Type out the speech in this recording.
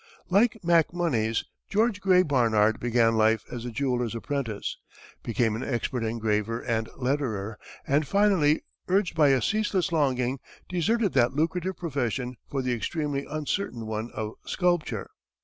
Like MacMonnies, George Gray Barnard began life as a jeweller's apprentice, became an expert engraver and letterer, and finally, urged by a ceaseless longing, deserted that lucrative profession for the extremely uncertain one of sculpture.